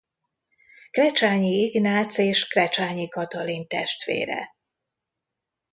Krecsányi Ignác és Krecsányi Katalin testvére.